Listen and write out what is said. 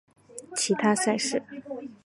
其他赛事